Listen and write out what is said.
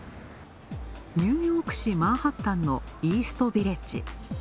ニューヨーク市・マンハッタンのイーストビレッジ。